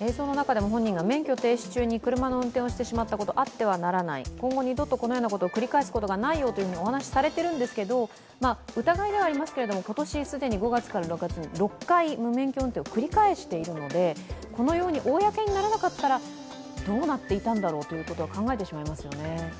映像の中でも本人が免許停止中に車の運転をしてしまったことはあってはならない今後、二度とこのようなことを繰り返すことがないようにとお話しされているんですけれども、疑いではありますけれども、今年既に５月から６カ月に６回、無免許運転を繰り返しているので、このように公にならなかったらどうなっていたんだろうと考えてしまいますよね。